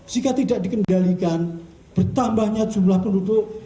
jika tidak dikendalikan bertambahnya jumlah penduduk